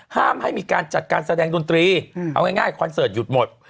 ห้ามให้มีการจัดการแสดงดนตรีเอาง่ายคอนเสิร์ตหยุดหมด